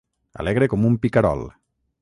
Alegre com un picarol.